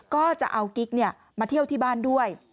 ก็จะเอากิ๊กมาเที่ยวที่บ้านด้วย